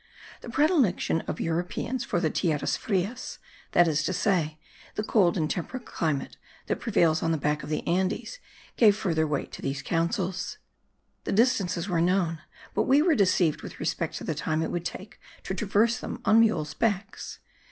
The predilection of Europeans for the tierras frias, that is to say, the cold and temperate climate that prevails on the back of the Andes, gave further weight to these counsels. The distances were known, but we were deceived with respect to the time it would take to traverse them on mules' backs.